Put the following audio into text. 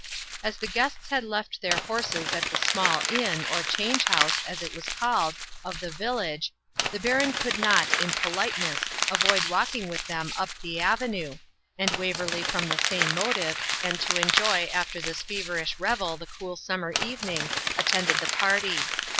As the guests had left their horses at the small inn, or change house, as it was called, of the village, the Baron could not, in politeness, avoid walking with them up the avenue, and Waverley from the same motive, and to enjoy after this feverish revel the cool summer evening, attended the party.